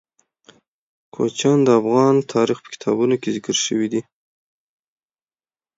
کوچیان د افغان تاریخ په کتابونو کې ذکر شوی دي.